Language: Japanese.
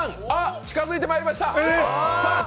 近づいてまいりました。